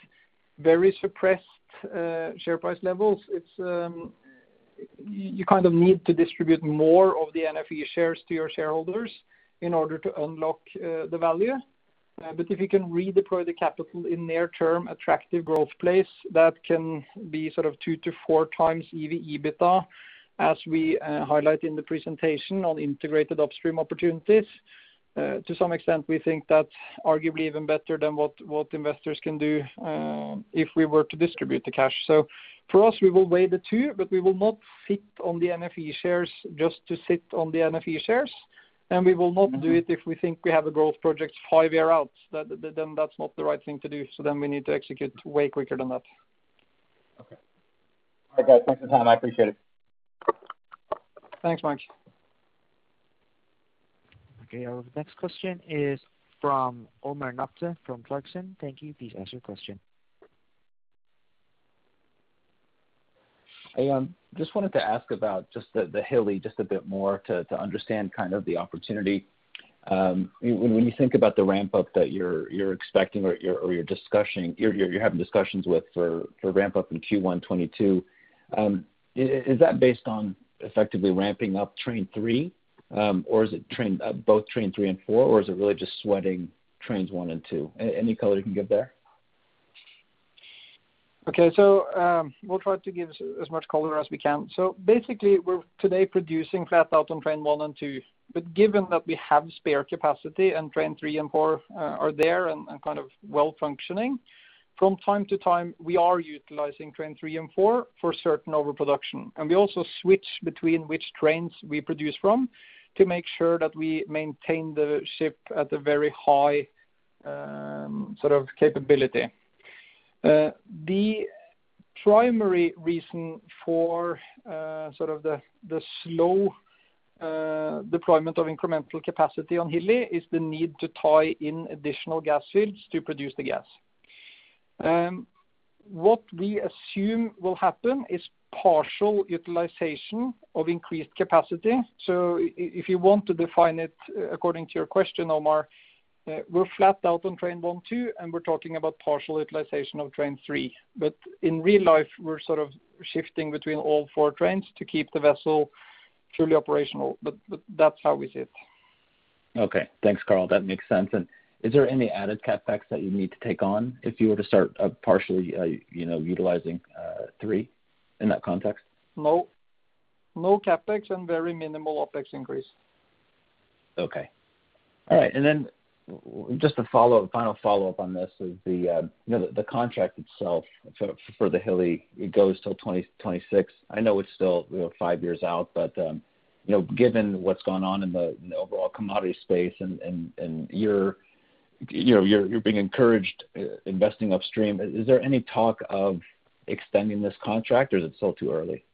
very suppressed share price levels, you kind of need to distribute more of the NFE shares to your shareholders in order to unlock the value. If you can redeploy the capital in near-term attractive growth place, that can be sort of 2x-4x EBITDA, as we highlight in the presentation on integrated upstream opportunities. To some extent, we think that's arguably even better than what investors can do if we were to distribute the cash. For us, we will weigh the two, but we will not sit on the NFE shares just to sit on the NFE shares. We will not do it if we think we have a growth project five years out. That's not the right thing to do. We need to execute way quicker than that. Okay. All right, guys, thanks a ton. I appreciate it. Thanks, Mike. Okay, our next question is from Omar Nokta from Clarksons. Thank you. Please ask your question. I just wanted to ask about just the Hilli just a bit more to understand kind of the opportunity. When you think about the ramp-up that you're expecting or you're having discussions with for ramp-up in Q1 2022, is that based on effectively ramping up train 3? Or is it both train 3 and 4? Or is it really just sweating trains 1 and 2? Any color you can give there? Okay. We'll try to give as much color as we can. Basically, we're today producing flat out on train 1 and 2. Given that we have spare capacity and train 3 and 4 are there and kind of well-functioning, from time to time, we are utilizing train 3 and 4 for certain overproduction. We also switch between which trains we produce from to make sure that we maintain the ship at a very high capability. The primary reason for the slow deployment of incremental capacity on Hilli is the need to tie in additional gas fields to produce the gas. What we assume will happen is partial utilization of increased capacity. If you want to define it according to your question, Omar, we're flat out on train 1, 2, and we're talking about partial utilization of train 3. In real life, we're sort of shifting between all four trains to keep the vessel fully operational. That's how we see it. Okay. Thanks, Karl. That makes sense. Is there any added CapEx that you need to take on if you were to start partially utilizing three in that context? No. No CapEx and very minimal OpEx increase. Okay. All right, just a final follow-up on this is the contract itself for the Hilli, it goes till 2026. I know it's still five years out, but given what's gone on in the overall commodity space and you're being encouraged investing upstream, is there any talk of extending this contract or is it still too early?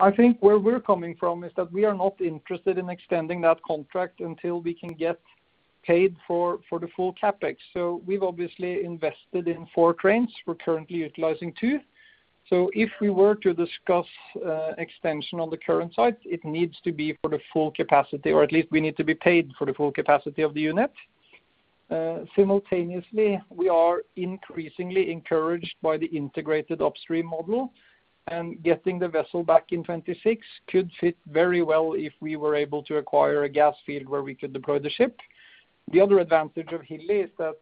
I think where we're coming from is that we are not interested in extending that contract until we can get paid for the full CapEx. We've obviously invested in four trains. We're currently utilizing two. If we were to discuss extension on the current site, it needs to be for the full capacity, or at least we need to be paid for the full capacity of the unit. Simultaneously, we are increasingly encouraged by the integrated upstream model, and getting the vessel back in 2026 could fit very well if we were able to acquire a gas field where we could deploy the ship. The other advantage of Hilli is that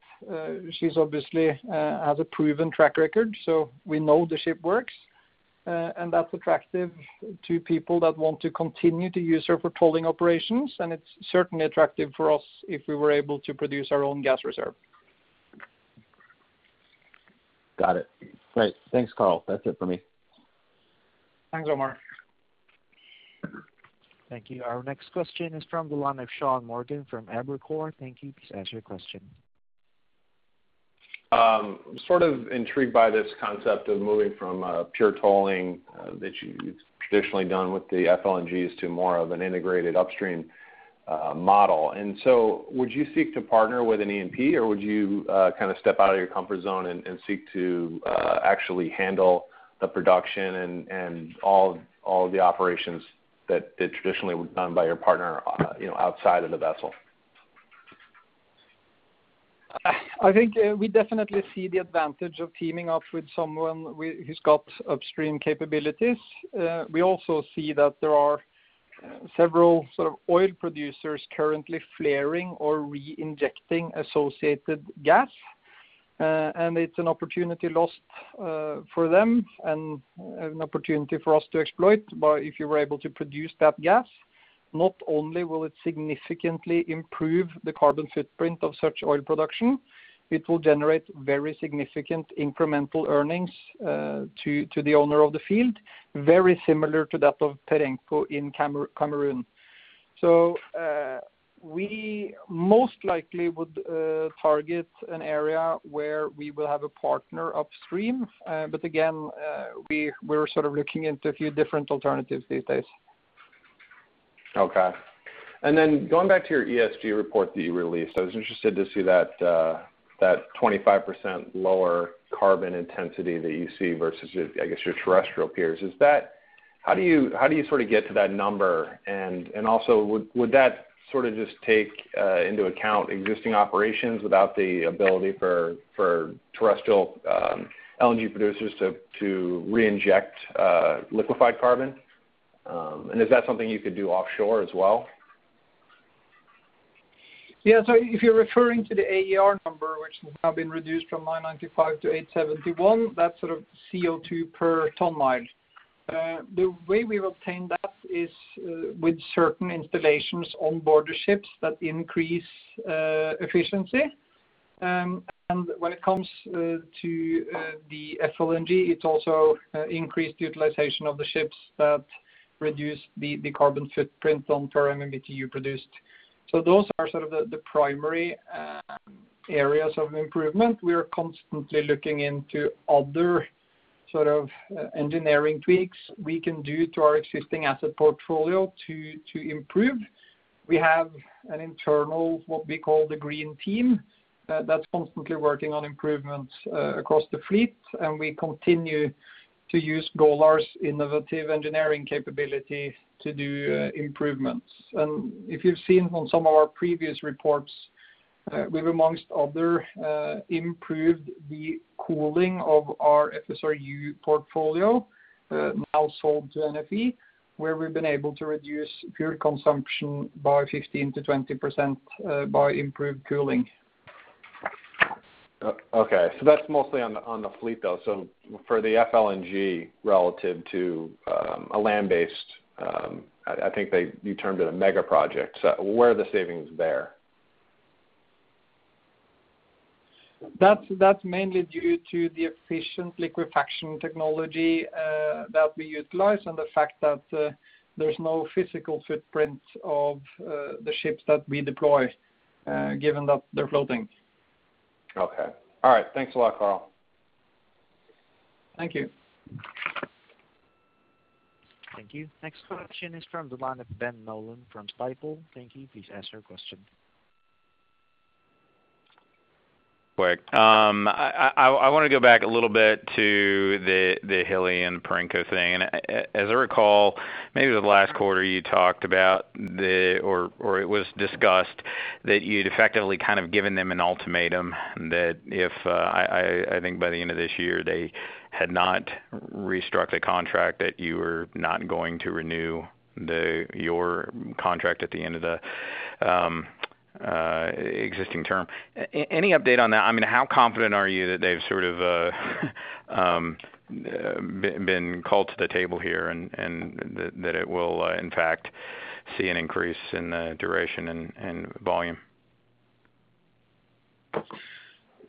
she obviously has a proven track record, so we know the ship works. That's attractive to people that want to continue to use her for tolling operations, and it's certainly attractive for us if we were able to produce our own gas reserve. Got it. Great. Thanks, Karl. That's it for me. Thanks, Omar. Thank you. Our next question is from the line of Sean Morgan from Evercore. Thank you. Please ask your question. I'm sort of intrigued by this concept of moving from pure tolling that you've traditionally done with the FLNGs to more of an integrated upstream model. Would you seek to partner with an E&P, or would you kind of step out of your comfort zone and seek to actually handle the production and all the operations that traditionally were done by your partner outside of the vessel? I think we definitely see the advantage of teaming up with someone who's got upstream capabilities. We also see that there are several oil producers currently flaring or reinjecting associated gas. It's an opportunity lost for them and an opportunity for us to exploit by if we were able to produce that gas, not only will it significantly improve the carbon footprint of such oil production, it will generate very significant incremental earnings to the owner of the field, very similar to that of Perenco in Cameroon. We most likely would target an area where we will have a partner upstream. Again, we're sort of looking into a few different alternatives these days. Okay. Going back to your ESG report that you released, I was interested to see that 25% lower carbon intensity that you see versus, I guess, your terrestrial peers. How do you sort of get to that number? Would that sort of just take into account existing operations without the ability for terrestrial LNG producers to reinject liquified carbon? Is that something you could do offshore as well? Yeah. If you're referring to the AER number, which has now been reduced from 995-871, that's CO2 per ton mile. The way we've obtained that is with certain installations on board the ships that increase efficiency. When it comes to the FLNG, it's also increased utilization of the ships that reduce the carbon footprint on per MMBtu produced. Those are the primary areas of improvement. We are constantly looking into other engineering tweaks we can do to our existing asset portfolio to improve. We have an internal, what we call the Green Team, that's constantly working on improvements across the fleet, and we continue to use Golar's innovative engineering capability to do improvements. If you've seen on some of our previous reports, we've, amongst others, improved the cooling of our FSRU portfolio, now sold to NFE, where we've been able to reduce fuel consumption by 15%-20% by improved cooling. Okay. That's mostly on the fleet, though. For the FLNG relative to a land-based, I think you termed it a mega project. Where are the savings there? That's mainly due to the efficient liquefaction technology that we utilize and the fact that there's no physical footprint of the ships that we deploy, given that they're floating. Okay. All right. Thanks a lot, Karl. Thank you. Thank you. Next question is from the line of Ben Nolan from Stifel. Thank you. Please ask your question. Quick. I want to go back a little bit to the Hilli and Perenco thing. As I recall, maybe the last quarter, you talked about, or it was discussed, that you'd effectively given them an ultimatum that if, I think by the end of this year, they had not restructured a contract, that you were not going to renew your contract at the end of the existing term. Any update on that? How confident are you that they've sort of been called to the table here and that it will in fact see an increase in the duration and volume?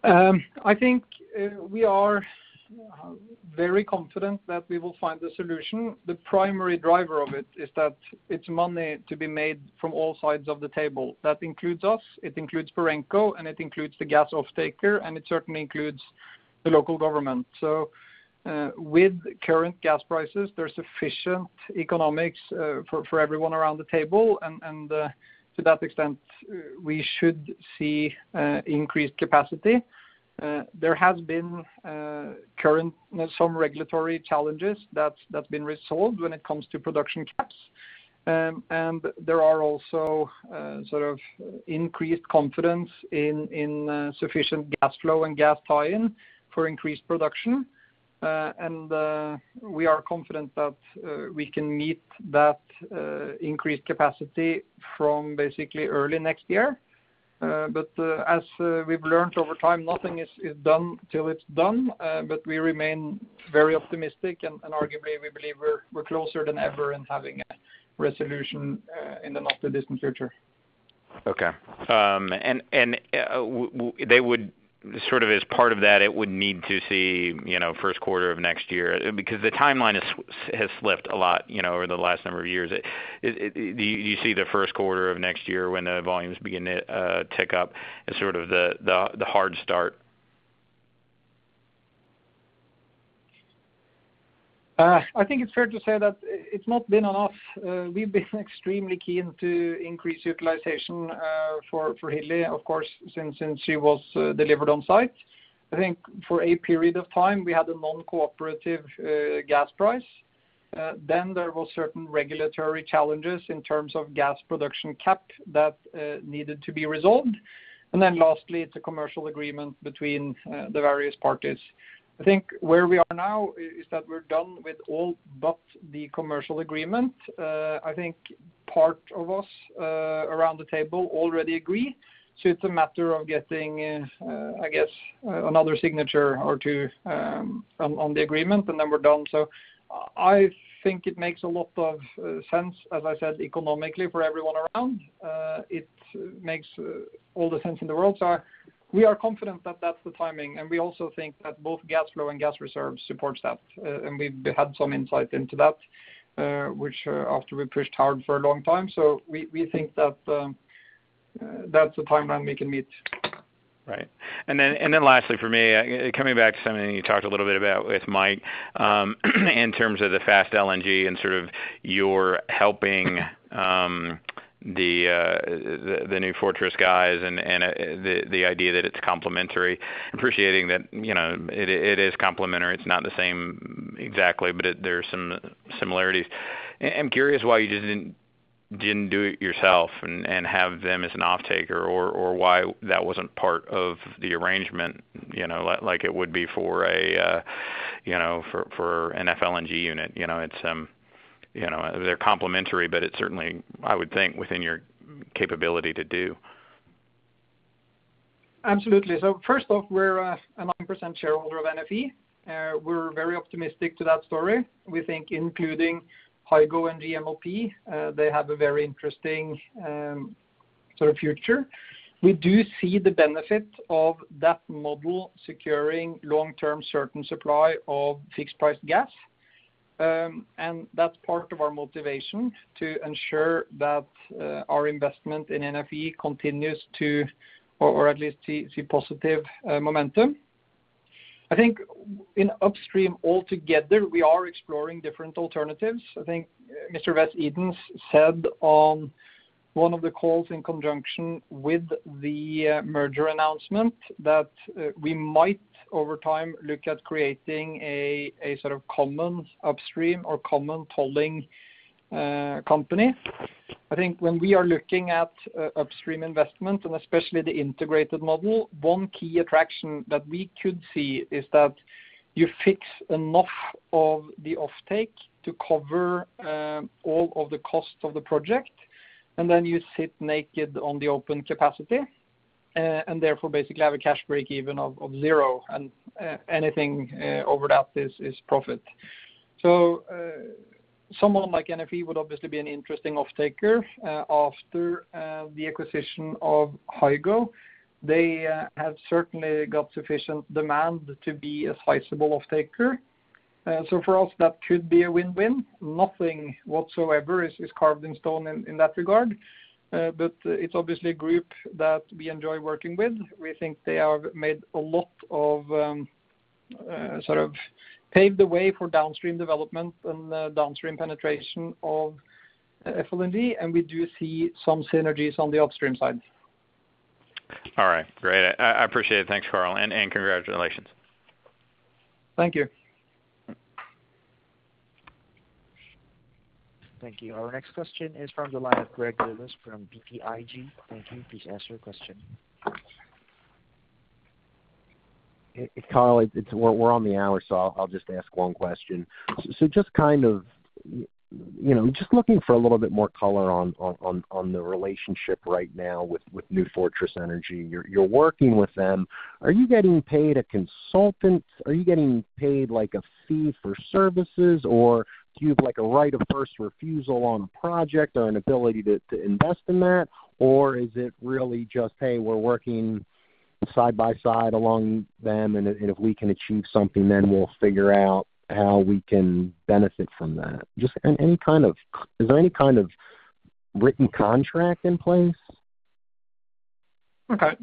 I think we are very confident that we will find a solution. The primary driver of it is that it's money to be made from all sides of the table. That includes us, it includes Perenco, and it includes the gas off-taker, and it certainly includes the local government. With current gas prices, there's sufficient economics for everyone around the table, and to that extent, we should see increased capacity. There has been current some regulatory challenges that's been resolved when it comes to production caps. There are also increased confidence in sufficient gas flow and gas tie-in for increased production. We are confident that we can meet that increased capacity from basically early next year. As we've learned over time, nothing is done till it's done. We remain very optimistic and arguably, we believe we're closer than ever in having a resolution in the not-too-distant future. Okay. They would, as part of that, it would need to see first quarter of next year, because the timeline has slipped a lot over the last number of years. Do you see the first quarter of next year when the volumes begin to tick up as sort of the hard start? I think it's fair to say that it's not been enough. We've been extremely keen to increase utilization for Hilli, of course, since she was delivered on site. I think for a period of time, we had a non-cooperative gas price. There were certain regulatory challenges in terms of gas production cap that needed to be resolved. Lastly, it's a commercial agreement between the various parties. I think where we are now is that we're done with all but the commercial agreement. I think part of us around the table already agree. It's a matter of getting, I guess, another signature or two on the agreement, and then we're done. I think it makes a lot of sense, as I said, economically for everyone around. It makes all the sense in the world. We are confident that that's the timing, and we also think that both gas flow and gas reserves supports that. We've had some insight into that, which after we pushed hard for a long time. We think that's the timeline we can meet. Right. Lastly for me, coming back to something you talked a little bit about with Mike, in terms of the Fast LNG and you're helping the New Fortress guys and the idea that it's complementary. Appreciating that it is complementary. It's not the same exactly, but there are some similarities. I'm curious why you didn't do it yourself and have them as an offtaker, or why that wasn't part of the arrangement, like it would be for a? For an FLNG unit, they're complementary, but it's certainly, I would think, within your capability to do. Absolutely. First off, we're a 100% shareholder of NFE. We're very optimistic about that story. We think including Hygo and GMLP, they have a very interesting future. We do see the benefit of that model securing long-term certain supply of fixed price gas. That's part of our motivation to ensure that our investment in NFE continues to, or at least see positive momentum. I think in upstream altogether, we are exploring different alternatives. I think Edens said on one of the calls in conjunction with the merger announcement that we might, over time, look at creating a sort of common upstream or common tolling company. I think when we are looking at upstream investment and especially the integrated model, one key attraction that we could see is that you fix enough of the offtake to cover all of the cost of the project, and then you sit naked on the open capacity, and therefore basically have a cash break-even of zero, and anything over that is profit. Someone like NFE would obviously be an interesting off-taker after the acquisition of Hygo. They have certainly got sufficient demand to be a sizable off-taker. For us, that should be a win-win. Nothing whatsoever is carved in stone in that regard. It's obviously a group that we enjoy working with. We think they have made a lot of sort of paved the way for downstream development and downstream penetration of FLNG, and we do see some synergies on the upstream side. All right. Great. I appreciate it. Thanks, Karl, and congratulations. Thank you. Thank you. Our next question is from the line of Greg Lewis from BTIG. Thank you. Please ask your question. Karl, we're on the hour. I'll just ask one question. Just kind of looking for a little bit more color on the relationship right now with New Fortress Energy. You're working with them. Are you getting paid a consultant? Are you getting paid a fee for services, or do you have a right of first refusal on a project or an ability to invest in that? Is it really just, hey, we're working side by side along them, and if we can achieve something, then we'll figure out how we can benefit from that? Is there any kind of written contract in place? Okay.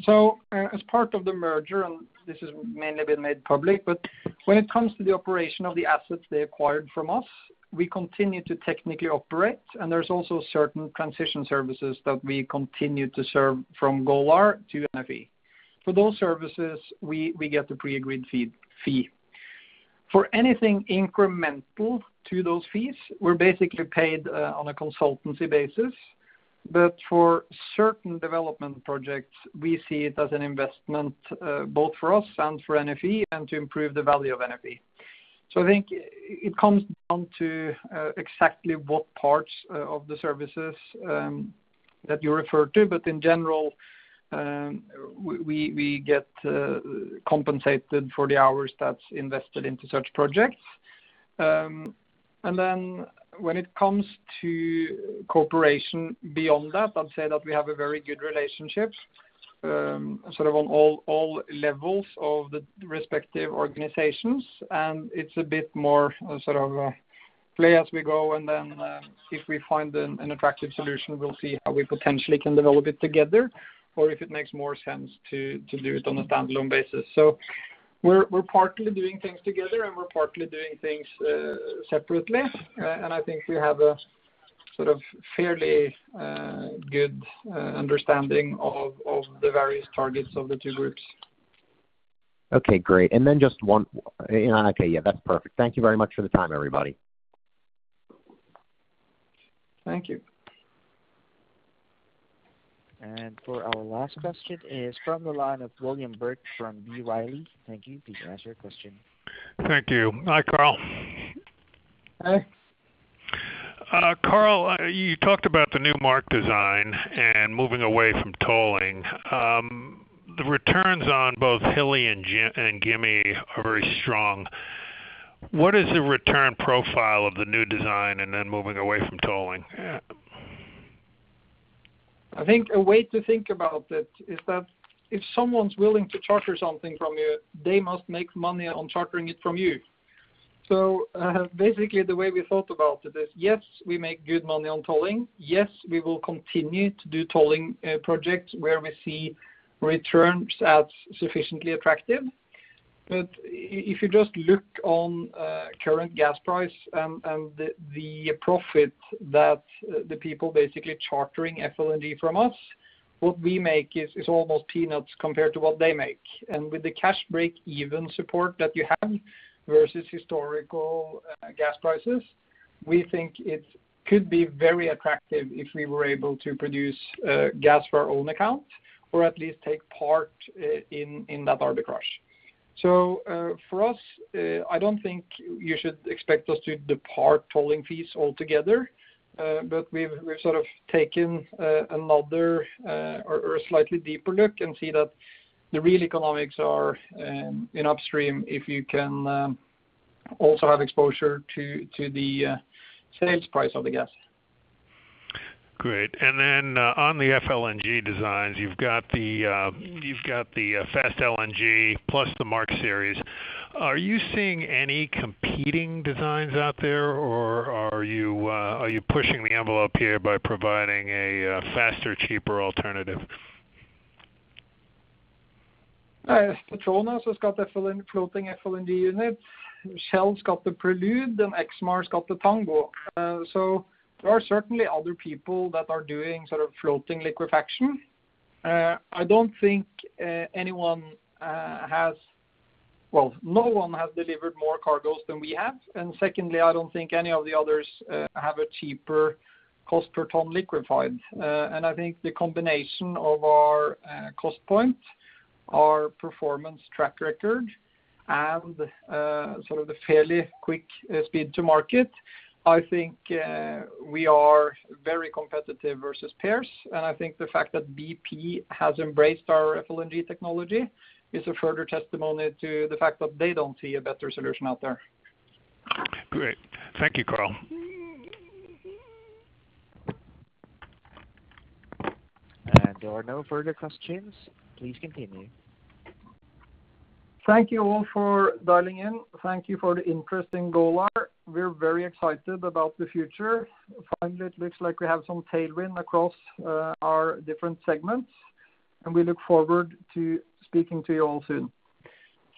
As part of the merger, and this has mainly been made public, but when it comes to the operation of the assets they acquired from us, we continue to technically operate, and there's also certain transition services that we continue to serve from Golar to NFE. For those services, we get the pre-agreed fee. For anything incremental to those fees, we're basically paid on a consultancy basis. For certain development projects, we see it as an investment both for us and for NFE and to improve the value of NFE. I think it comes down to exactly what parts of the services that you refer to. In general, we get compensated for the hours that's invested into such projects. When it comes to cooperation beyond that, I'd say that we have a very good relationship on all levels of the respective organizations, and it's a bit more play as we go, and then if we find an attractive solution, we'll see how we potentially can develop it together or if it makes more sense to do it on a standalone basis. We're partly doing things together, and we're partly doing things separately. I think we have a fairly good understanding of the various targets of the two groups. Okay, great. Okay, yeah, that's perfect. Thank you very much for the time, everybody. Thank you. For our last question is from the line of William Burke from B. Riley. Thank you. Please ask your question. Thank you. Hi, Karl. Hi. Karl, you talked about the new Mark design and moving away from tolling. The returns on both Hilli and Gimi are very strong. What is the return profile of the new design and then moving away from tolling? I think a way to think about it is that if someone's willing to charter something from you, they must make money on chartering it from you. Basically, the way we thought about it is, yes, we make good money on tolling. Yes, we will continue to do tolling projects where we see returns as sufficiently attractive. If you just look on current gas price and the profit that the people basically chartering FLNG from us, what we make is almost peanuts compared to what they make. With the cash break-even support that you have versus historical gas prices. We think it could be very attractive if we were able to produce gas for our own account or at least take part in that arbitrage. For us, I don't think you should expect us to depart tolling fees altogether, but we've taken another or a slightly deeper look and see that the real economics are in upstream if you can also have exposure to the sales price of the gas. Great. On the FLNG designs, you've got the Fast LNG plus the Mark Series. Are you seeing any competing designs out there, or are you pushing the envelope here by providing a faster, cheaper alternative? Petronas has got the floating FLNG unit. Shell's got the Prelude. Exmar's got the Tango. There are certainly other people that are doing floating liquefaction. No one has delivered more cargoes than we have. Secondly, I don't think any of the others have a cheaper cost per ton liquefied. I think the combination of our cost point, our performance track record, and the fairly quick speed to market, I think we are very competitive versus peers. I think the fact that BP has embraced our FLNG technology is a further testimony to the fact that they don't see a better solution out there. Great. Thank you, Karl. If there are no further questions, please continue. Thank you all for dialing in. Thank you for the interest in Golar. We're very excited about the future. It looks like we have some tailwind across our different segments, and we look forward to speaking to you all soon.